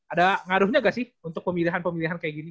ada ngaruhnya nggak sih untuk pemilihan pemilihan kayak gini